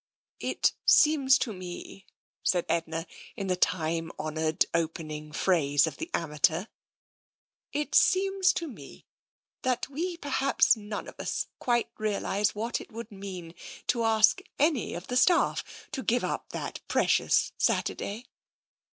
" It seems to me," said Edna, in the time honoured opening phrase of the amateur, " it seems to me, that we perhaps none of us quite realise what it would mean to ask any of the staff to give up that precious Satur day.